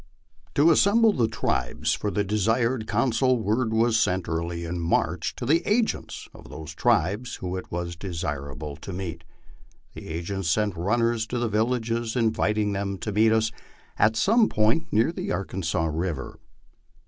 To as semble the tribes for the desired council, word was sent early in March to the agents of those tribes whom it was desirable to meet. The agents sent runnel to the villages inviting them to meet us at some point near the Arkansas river.